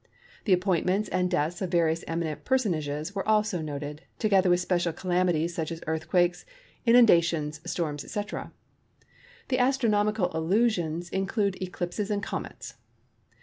The appointments and deaths of various eminent personages are also noticed, together with special calamities such as earthquakes, inundations, storms, etc. The astronomical allusions include eclipses and comets.